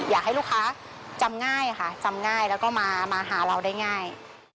อยากให้ลูกค้าจำง่ายค่ะจำง่ายแล้วก็มาหาเราได้ง่าย